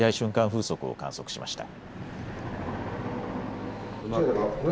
風速を観測しました。